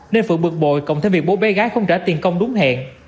nên phượng bực bội cộng thêm việc bố bé gái không trả tiền công đúng hẹn